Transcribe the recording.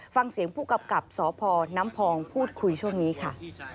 ฟังเสียงผู้กำกับสพน้ำพองพูดคุยช่วงนี้ค่ะ